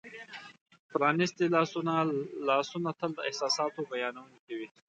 پرانیستي لاسونه : لاسونه تل د احساساتو بیانونکي وي.